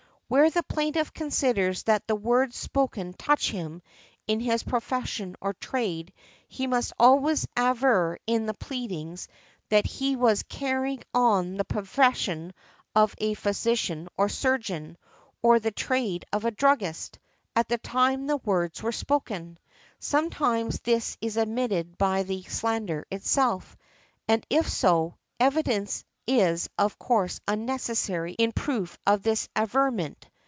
Where the plaintiff considers that the words spoken touch him in his profession or trade, he must always aver in the pleadings that he was carrying on the profession of a physician or surgeon, or the trade of a druggist, at the |135| time the words were spoken. Sometimes this is admitted by the slander itself, and if so, evidence is of course unnecessary in proof of this averment.